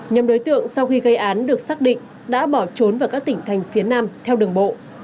nhóm đối tượng sau khi gây án được xác định đã bỏ trốn vào các tỉnh thành phía nam theo đường bộ